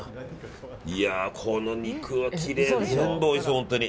この肉はきれいで全部おいしそう、本当に。